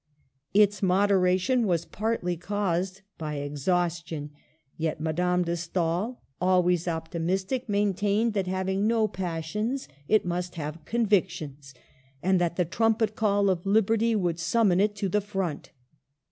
Its modera tion was partly caused by exhaustion ; yet Madame de Stael, always optimistic, maintained Digitized by VjOOQLC HER WORKS. 211 that having no passions it must have convictions, and that the trumpet call of liberty would sum mon it to the front.